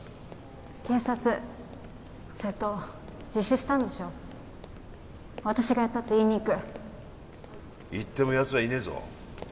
警察瀬戸自首したんでしょ私がやったって言いに行く行ってもやつはいねえぞ